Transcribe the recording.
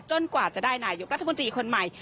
กว่าจะได้นายกรัฐมนตรีคนใหม่